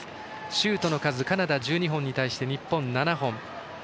シュートの数カナダ、１２本なのに対して日本、７本。